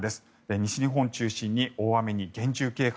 西日本を中心に大雨に厳重警戒。